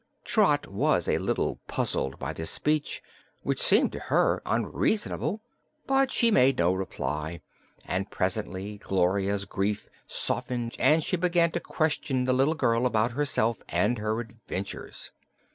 Trot was a little puzzled by this speech, which seemed to her unreasonable; but she made no reply and presently Gloria's grief softened and she began to question the little girl about herself and her adventures.